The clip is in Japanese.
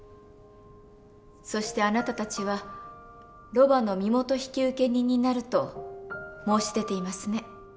そしてあなたたちはロバの身元引受人になると申し出ていますね。